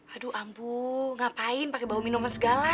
aduh ambu ngapain pake bau minuman segala